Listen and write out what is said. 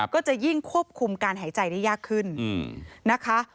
ก็จะยิ่งควบคุมการหายใจได้ยากขึ้นนะคะ